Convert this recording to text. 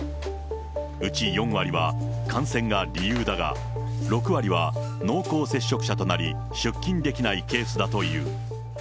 うち４割は感染が理由だが、６割は濃厚接触者となり、出勤できないケースだという。